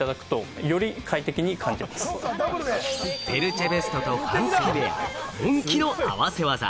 ペルチェベストとファン付きウエア、本気の合わせ技。